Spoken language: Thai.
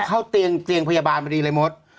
เข้าเตียงพยาบาลพอดีเลยมด